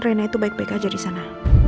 rena itu baik baik aja disana